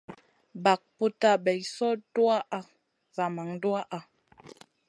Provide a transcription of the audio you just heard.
Bag putna bay soy tuwaʼa zaman duwaʼha.